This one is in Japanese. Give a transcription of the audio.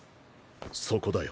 そこだよ。